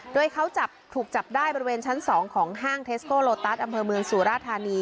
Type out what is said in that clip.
โดยเขาจับถูกจับได้บริเวณชั้น๒ของห้างเทสโกโลตัสอำเภอเมืองสุราธานี